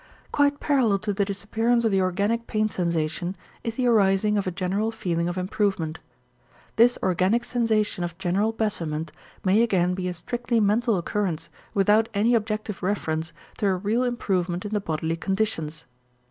Quite parallel to the disappearance of the organic pain sensation is the arising of a general feeling of improvement. This organic sensation of general betterment may again be a strictly mental occurrence without any objective reference to a real improvement in the bodily conditions.